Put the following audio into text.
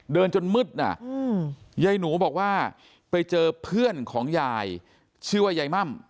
จนมืดนะยายหนูบอกว่าไปเจอเพื่อนของยายชื่อว่ายายม่ำ